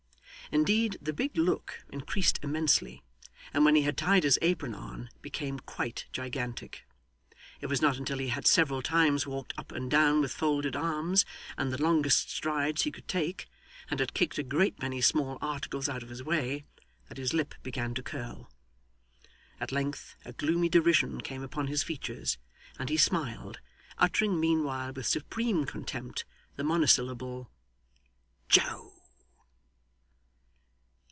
Indeed the big look increased immensely, and when he had tied his apron on, became quite gigantic. It was not until he had several times walked up and down with folded arms, and the longest strides he could take, and had kicked a great many small articles out of his way, that his lip began to curl. At length, a gloomy derision came upon his features, and he smiled; uttering meanwhile with supreme contempt the monosyllable 'Joe!